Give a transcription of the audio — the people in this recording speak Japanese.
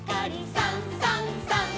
「さんさんさん」